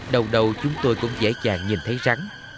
đầu đầu chúng tôi cũng dễ dàng nhìn thấy rắn